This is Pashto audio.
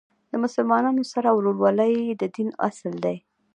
د مسلمانانو سره ورورولۍ د دین اصل دی.